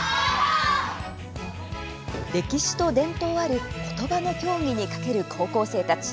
歴史と伝統ある言葉の競技にかける高校生たち。